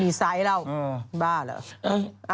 ไม่มีไซส์แล้วบ้าเหรอ